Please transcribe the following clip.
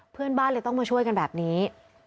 เพื่อนบ้านเลยต้องมาช่วยกันแบบนี้